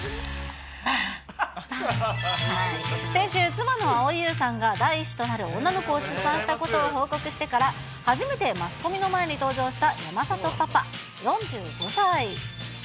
先週、妻の蒼井優さんが第１子となる女の子を出産したことを報告してから初めてマスコミの前に登場した山里パパ４５歳。